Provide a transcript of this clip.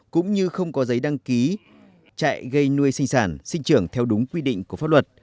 cũng như không có giấy đăng ký chạy gây nuôi sinh sản sinh trưởng theo đúng quy định của pháp luật